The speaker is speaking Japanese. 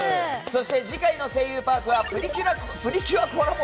そして次回の「声優パーク」は「プリキュア」コラボ